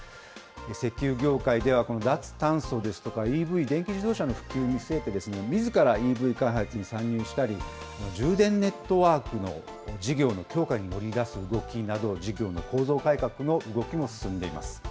石油業界では、この脱炭素ですとか、ＥＶ・電気自動車の普及を見据えて、みずからＥＶ開発に参入したり、充電ネットワークの事業の強化に乗り出す動きなど、事業の構造改革の動きも進んでいます。